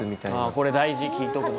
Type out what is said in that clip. これ大事聞いとくの。